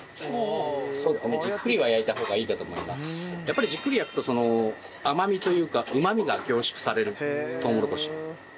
やっぱりじっくり焼くと甘みというかうまみが凝縮されるとうもろこしの。